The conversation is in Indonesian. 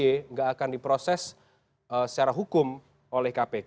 tidak akan diproses secara hukum oleh kpk